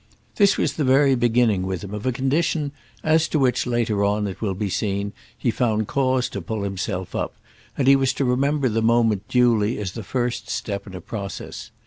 This was the very beginning with him of a condition as to which, later on, it will be seen, he found cause to pull himself up; and he was to remember the moment duly as the first step in a process.